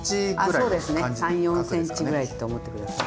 そうですね３４ｃｍぐらいと思って下さい。